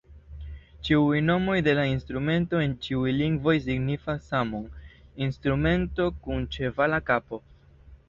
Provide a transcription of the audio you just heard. Ĉiuj nomoj de la instrumento en ĉiuj lingvoj signifas samon: "instrumento kun ĉevala kapo".